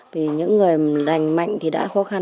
vì những người lành mạnh thì đã khó khăn